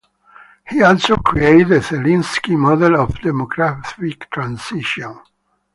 He also created the Zelinsky Model of Demographic Transition.